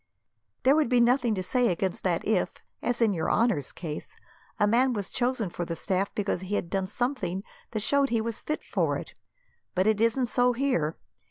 There would be nothing to say against that if, as in your honour's case, a man was chosen for the staff because he had done something that showed that he was fit for it. But it isn't so here.